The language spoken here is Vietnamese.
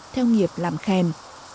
theo nghiệp làm khen